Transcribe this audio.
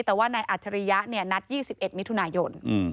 แต่ว่านายอัจฉริยะนัด๒๑มิถุนายน